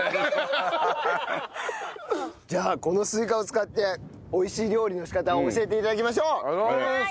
じゃあこのスイカを使って美味しい料理の仕方を教えて頂きましょう！